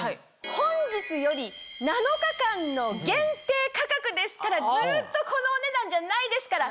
本日より７日間の限定価格ですからずっとこのお値段じゃないですから。